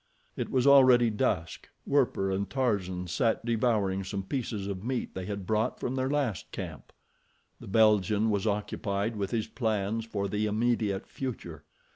It was already dusk. Werper and Tarzan sat devouring some pieces of meat they had brought from their last camp. The Belgian was occupied with his plans for the immediate future.